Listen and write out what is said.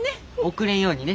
遅れんようにね。